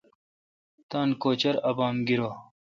تان کوچر ابام گیرو۔